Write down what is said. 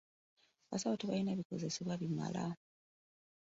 Abasawo tebalina bikozesebwa bimala.